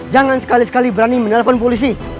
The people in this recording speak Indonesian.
jangan sekali sekali berani menelpon polisi